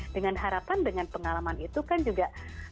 dengan harapan dengan pengalaman itu kan juga